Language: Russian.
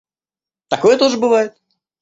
Такое тоже бывает.